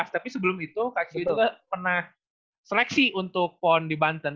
tapi sebelum itu kak cio itu kan pernah seleksi untuk pon di banten